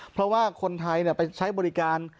เพราะว่าคนไทยไปใช้บริการ